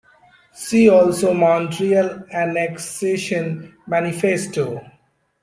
See also Montreal Annexation Manifesto.